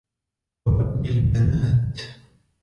وَوَأْدِ الْبَنَاتِ